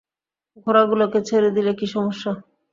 ঘোড়াগুলোকে ছেঁড়ে দিলে কী সমস্যা?